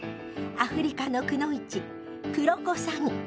アフリカのくノ一クロコサギ。